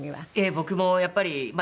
僕もやっぱりまあ